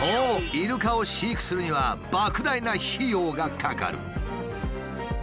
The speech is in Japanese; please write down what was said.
イルカを飼育するにはばく大な費用がかかる。